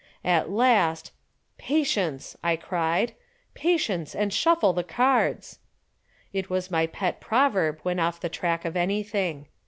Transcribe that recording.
At last, "Patience!" I cried. "Patience, and shuffle the cards!" It was my pet proverb when off the track of anything.